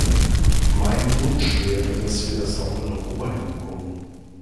Mein Wunsch wäre, dass wir das auch in Europa hinbekommen.